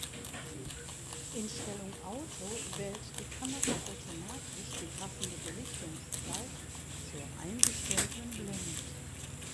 In Stellung Auto wählt die Kamera automatisch die passende Belichtungszeit zur eingestellten Blende.